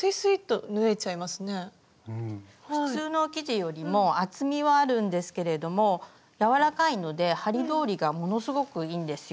普通の生地よりも厚みはあるんですけれども柔らかいので針通りがものすごくいいんですよ。